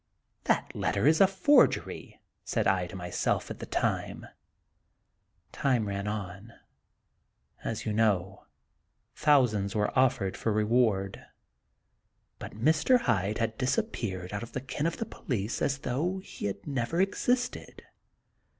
" That letter is a forgery," said I to my self at the time. Time ran on. As you know, thousands were offered for reward ; but Mr. Hyde had disappeared out of the ken of the police as though he had never existed.